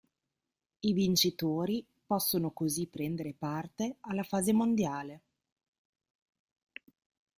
I vincitori possono così prendere parte alla fase mondiale.